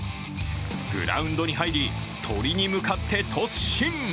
グラウンドに入り、鳥に向かって突進。